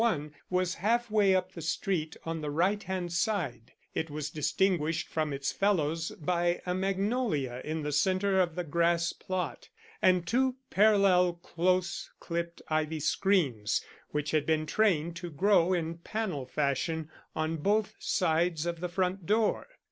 41 was half way up the street on the right hand side, and was distinguished from its fellows by a magnolia in the centre of the grass plot, and two parallel close clipped ivy screens which had been trained to grow in panel fashion on both sides of the front door.